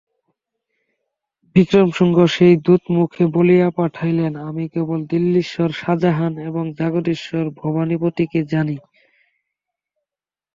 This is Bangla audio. বিক্রমসিংহ সেই দূতমুখে বলিয়া পাঠাইলেন, আমি কেবল দিল্লীশ্বর শাজাহান এবং জাগদীশ্বর ভবানীপতিকে জানি।